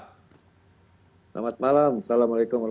selamat malam assalamualaikum wr wb